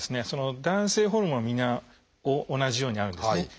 男性ホルモンはみんな同じようにあるんですね。